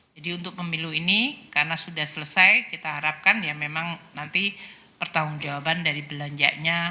jadi untuk pemilu ini karena sudah selesai kita harapkan ya memang nanti pertahun jawaban dari belanjanya